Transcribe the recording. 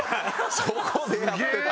そこでやってた。